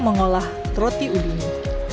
mengolah roti ubi ini